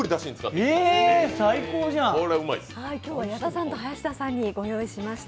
今日は矢田さんと林田さんにご用意しました。